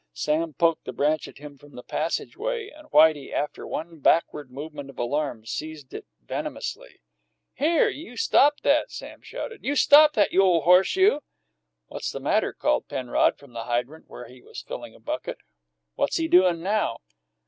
Sam poked the branch at him from the passageway, and Whitey, after one backward movement of alarm, seized it venomously. "Here! You stop that!" Sam shouted. "You stop that, you ole horse, you!" "What's the matter?" called Penrod from the hydrant, where he was filling a bucket. "What's he doin' now?"